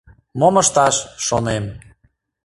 Мом ышташ, шонем.